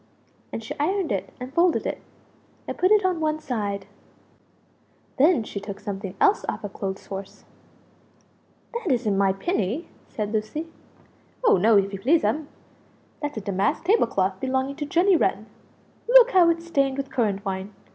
And she ironed it and folded it, and put it on one side. Then she took something else off a clothes horse "That isn't my pinny?" said Lucie. "Oh no, if you please'm; that's a damask table cloth belonging to Jenny Wren; look how it's stained with currant wine!